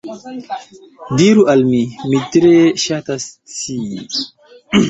Diru al mi, mi tre ŝatas scii.